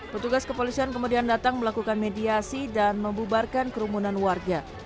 petugas kepolisian kemudian datang melakukan mediasi dan membubarkan kerumunan warga